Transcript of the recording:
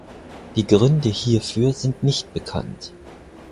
Die Gründe hierfür sind nicht bekannt.